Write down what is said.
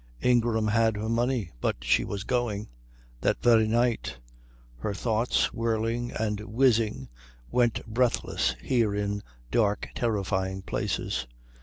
Ingram had her money, but she was going. That very night. Her thoughts, whirling and whizzing, went breathless here in dark, terrifying places.